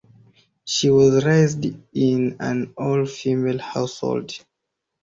She was raised in an all female household.